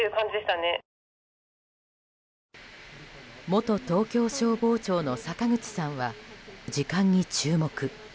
元東京消防庁の坂口さんは時間に注目。